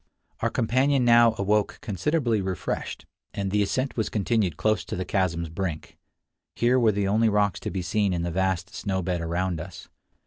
Our companion now awoke considerably refreshed, and the ascent was continued close to the chasm's brink. Here were the only rocks to be seen in the vast snow bed around us.